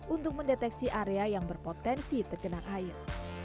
untuk mendeteksi area yang berpotensi terkena air